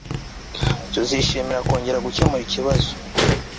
Tuzishimira kongera gukemura ikibazo